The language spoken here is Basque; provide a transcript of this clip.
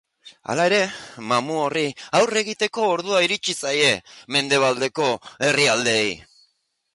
Hala ere, mamu horri aurre egiteko ordua iritsi zaie mendebaldeko herrialdeei.